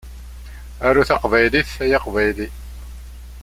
Aru taqbaylit, ay Aqbayli.